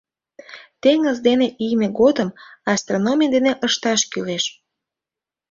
Теҥыз дене ийме годым астрономий дене ышташ кӱлеш.